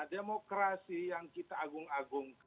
demokrasi yang kita agung agung